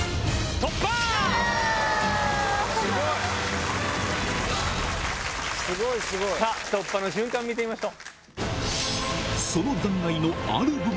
突破の瞬間見てみましょう。